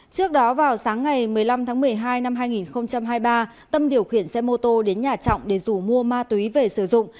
trước đó vào sáng ngày một mươi năm tháng một mươi hai năm hai nghìn hai mươi ba tâm điều khiển xe mô tô đến nhà trọng để rủ mua ma túy về sử dụng